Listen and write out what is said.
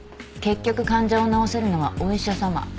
結局患者を治せるのはお医者さま。